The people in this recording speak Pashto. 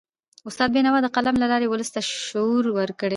استاد بینوا د قلم له لاري ولس ته شعور ورکړ.